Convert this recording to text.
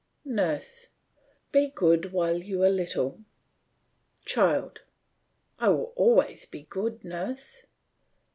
NURSE: Be good while you are little. CHILD: I will always be good, nurse.